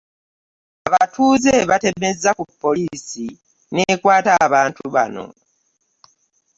Abatuuze baatemezza ku poliisi n'ekwata abantu bano.